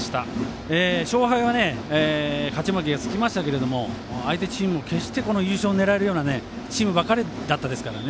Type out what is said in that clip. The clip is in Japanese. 勝敗は勝ち負けがつきましたが相手チームも優勝を狙えるようなチームばかりでしたから。